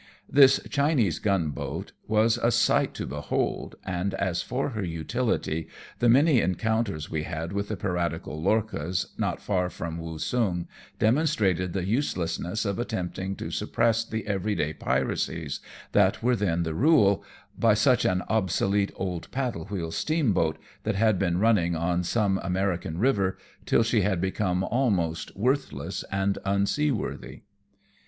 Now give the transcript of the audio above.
This Chinese gunboat was a sight to behold, and as for her utility, the many encounters we had with the piratical lorchas, not far from Woosung, demonstrated the uselessness of attempting to suppress the every day piracies that were then the rule, by such an obsolete old paddle wheel steamboat, that had been running on some American river till she had become almost worth less and unseaworthy.